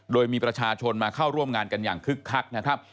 โดยมีประชาชนมาเข้าร่วมงานกันอย่างคึกคักนะครับ